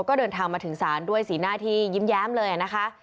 ก็เดินทางมาถึงศาลด้วยสีหน้าที่ยิ้มแย้มเลยนะคะ